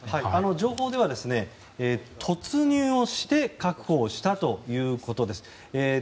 情報では突入をして確保をしたということです。